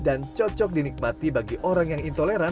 dan cocok dinikmati bagi orang yang intoleran